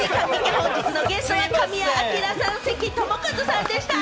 本日のゲスト、神谷明さん、関智一さんでした。